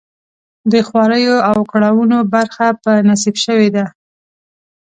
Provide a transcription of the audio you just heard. د خواریو او کړاوونو برخه په نصیب شوې ده.